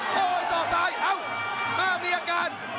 โอ้โหส่องซ้ายเอ่อมามีอากาศ